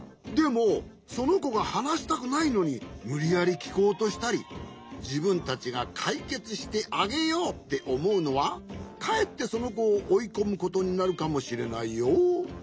でもそのこがはなしたくないのにむりやりきこうとしたりじぶんたちがかいけつしてあげようっておもうのはかえってそのこをおいこむことになるかもしれないよ。